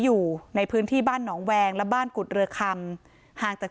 อยู่ในพื้นที่บ้านหนองแวงและบ้านกุฎเรือคำห่างจาก